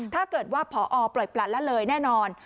ถ้าเกิดว่าพอปล่อยปลัดละเลยแน่นอน